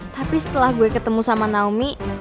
tapi setelah gue ketemu sama naomi